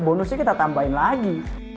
bonusnya kita tambahin lagi